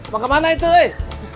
mau ke mana itu eh